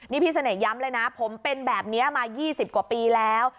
นี่พี่เสน่หย้ำเลยนะผมเป็นแบบนี้มา๒๐กว่าปีแล้ว